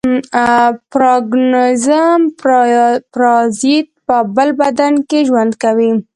پارګانېزم پارازیت په بل بدن کې ژوند کوي.